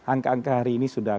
angka angka hari ini sudah